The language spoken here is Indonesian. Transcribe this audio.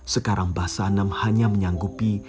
sekarang basanem hanya menyanggupi